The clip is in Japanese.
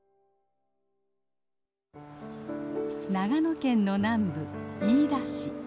長野県の南部飯田市。